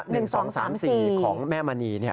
๑๒๓๔ของแม่มณีเนี่ย